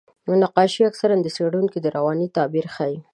نقاشي اکثره د څېړونکو رواني تعبیر ښيي.